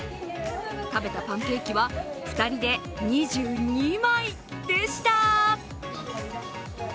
食べたパンケーキは２人で２２枚でした。